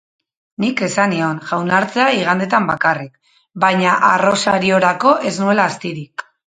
Nik esan nion, jaunartzea igandetan bakarrik, baina arrosariorako ez nuela astirik.